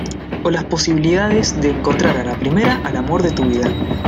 o las posibilidades de encontrar a la primera al amor de tu vida.